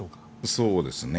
そうですね。